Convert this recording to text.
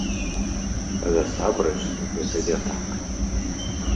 А насамрэч гэта не так.